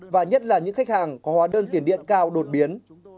và nhất là những khách hàng có hóa đơn tiền điện cao đột biến